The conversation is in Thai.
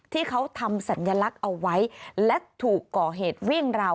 ที่เขาทำสัญลักษณ์เอาไว้และถูกก่อเหตุวิ่งราว